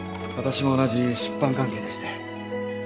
私も同じ出版関係でして。